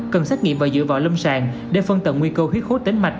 cần xét nghiệm và giữ vỏ lâm sàn để phân tận nguy cơ huyết khố tính mạch